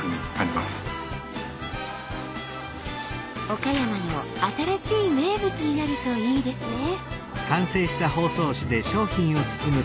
岡山の新しい名物になるといいですね。